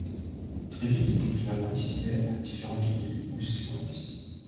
Très vite, elle va participer à différentes revues bruxelloises.